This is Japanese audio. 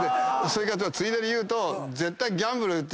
ついでに言うと絶対。